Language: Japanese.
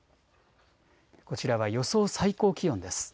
こちらは予想最高気温です。